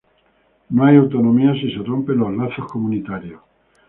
No hay autonomía si se rompen los lazos comunitarios.